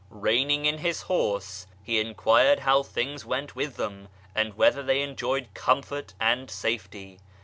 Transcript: Eeining in his horse, he enquired how things went with them, and whether they enjoyed comfort and safety.